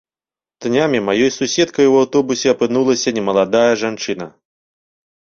Днямі маёй суседкай у аўтобусе апынулася немаладая жанчына.